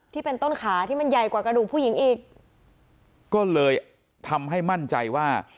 ที่เป็นต้นขาที่มันใหญ่กว่ากระดูกผู้หญิงอีกก็เลยทำให้มั่นใจว่า